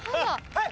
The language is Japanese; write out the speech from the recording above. はい！